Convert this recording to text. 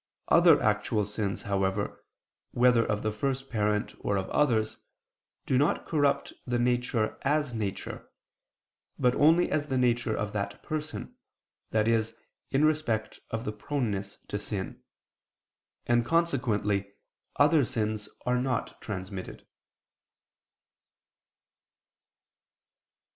Other actual sins, however, whether of the first parent or of others, do not corrupt the nature as nature, but only as the nature of that person, i.e. in respect of the proneness to sin: and consequently other sins are not transmitted.